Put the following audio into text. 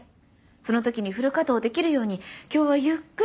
その時にフル稼働できるように今日はゆっくり。